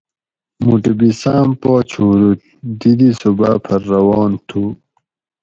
مُوٹو بھی سام پا چھورُوت دی دی صوباۤ پۤھر روان تُھو